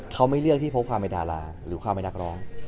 เขาไม่เลือกที่พกความเป็นดาราหรือความเป็นนักร้อง